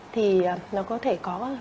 thì nó có thể có